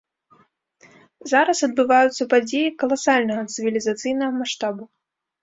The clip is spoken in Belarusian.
Зараз адбываюцца падзеі каласальнага, цывілізацыйнага маштабу.